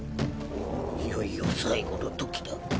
いよいよ最後のときだ。